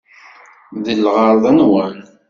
Deg lɣeṛḍ-nwen!